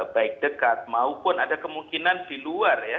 baik dekat maupun ada kemungkinan di luar ya